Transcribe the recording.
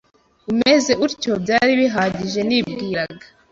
umeze utyo byari bihagije nibwiraga